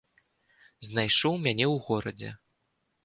Знайшоў мяне ў горадзе.